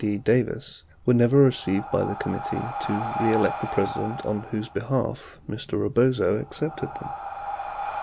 D. Davis were never received by the Committee To Re Elect the President on whose behalf Mr. Rebozo accepted them.